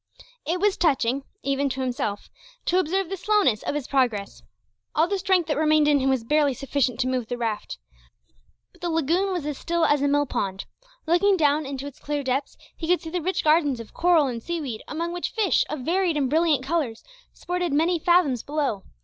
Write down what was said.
It was touching, even to himself, to observe the slowness of his progress. All the strength that remained in him was barely sufficient to move the raft. But the lagoon was as still as a mill pond. Looking down into its clear depths, he could see the rich gardens of coral and sea weed, among which fish, of varied and brilliant colours, sported many fathoms below.